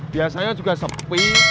biasanya juga sepi